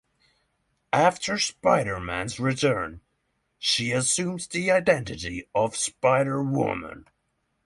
After Spider-Man's return, she assumes the identity of Spider-Woman.